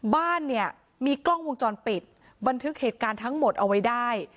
บ้านเนี่ยมีกล้องวงจรปิดบันทึกเหตุการณ์ทั้งหมดเอาไว้ได้